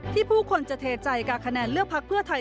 ผู้คนจะเทใจกับคะแนนเลือกพักเพื่อไทย